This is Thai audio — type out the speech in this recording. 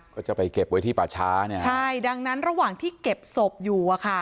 ก็จะไปเก็บไว้ที่ป่าช้าเนี่ยใช่ดังนั้นระหว่างที่เก็บศพอยู่อ่ะค่ะ